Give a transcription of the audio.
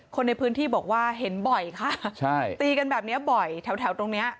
คนในพื้นที่บอกว่าเห็นบ่อยค่ะใช่ตีกันแบบนี้บ่อยแถวแถวตรงเนี้ย